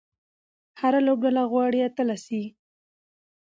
هره لوبډله غواړي اتله سي.